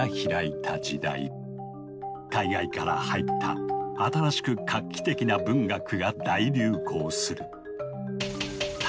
海外から入った新しく画期的な文学が大流行する。